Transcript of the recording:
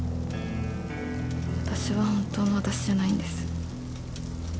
私は本当の私じゃないんです。